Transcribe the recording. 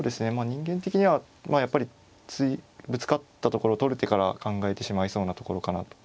人間的にはまあやっぱりぶつかったところ取る手から考えてしまいそうなところかなと。